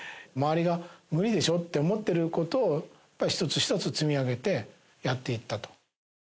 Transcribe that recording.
周りが、無理でしょって思ってることを、やっぱり一つ一つ積み上げて、やっていったと。